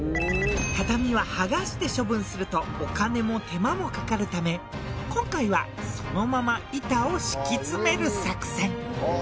畳は剥がして処分するとお金も手間もかかるため今回はそのまま板を敷き詰める作戦。